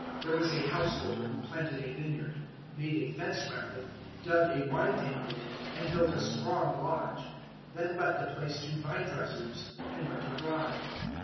There was a householder who planted a vineyard, made a fence round it, dug a wine tank in it, and built a strong lodge; then let the place to vine dressers, and went abroad.